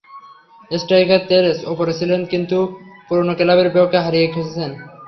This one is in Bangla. স্ট্রাইকার তোরেস ওপরে ছিলেন, কিন্তু পুরোনো ক্লাবের বিপক্ষে নিজেকে হারিয়ে খুঁজেছেন।